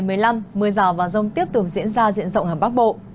mưa rào và rông tiếp tục diễn ra diện rộng ở bắc bộ